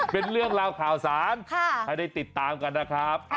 เป็นเรื่องราวข่าวสารให้ได้ติดตามกันนะครับ